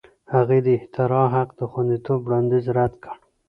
هغې د اختراع حق د خوندیتوب وړاندیز رد کړ.